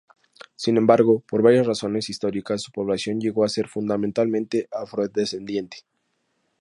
Sin embargo, por varias razones históricas su población llegó a ser fundamentalmente afrodescendiente.